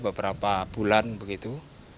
beberapa bulan begitu